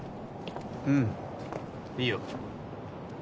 うんいいよ